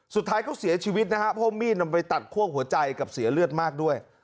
สุดท้ายก็เสียชีวิตนะครับพวกมีลนำไปตัดข้วงหัวใจกับเสียเลือดมากด้วย